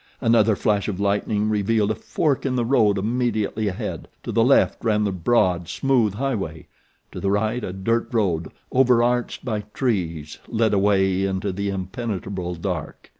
Another flash of lightning revealed a fork in the road immediately ahead to the left ran the broad, smooth highway, to the right a dirt road, overarched by trees, led away into the impenetrable dark.